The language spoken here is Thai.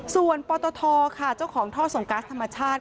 ส่วนปตทค่ะเจ้าของท่อส่งกัสธรรมชาติ